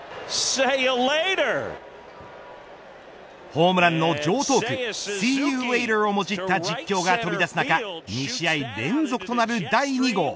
ホームランの常とう句シーユーレイターをもじった実況が飛び出す中２試合連続となる第２号。